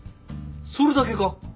それだけか？